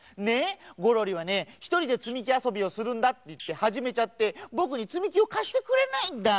ゴロリはねひとりでつみきあそびをするんだっていってはじめちゃってぼくにつみきをかしてくれないんだ。